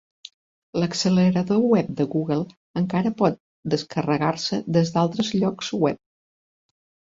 L'accelerador web de Google encara pot descarregar-se des d'altres llocs web.